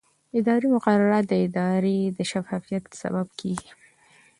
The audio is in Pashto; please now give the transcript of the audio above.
اداري مقررات د ادارې د شفافیت سبب کېږي.